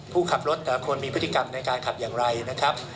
ผู้ขับรถแต่ละคนมีพฤติกรรมในการขับอย่างไรนะครับ